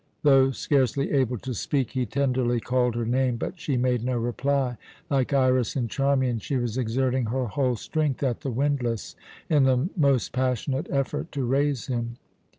Though scarcely able to speak, he tenderly called her name, but she made no reply; like Iras and Charmian, she was exerting her whole strength at the windlass in the most passionate effort to raise him.